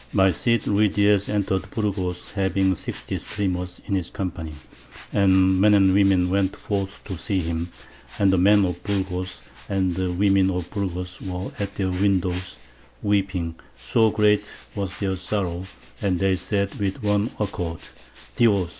"My Cid Ruydiez entered Burgos, having sixty streamers in his company. And men and women went forth to see him, and the men of Burgos and the women of Burgos were at their windows, weeping, so great was their sorrow; and they said with one accord, _Dios!